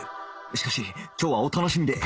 しかし今日はお楽しみデー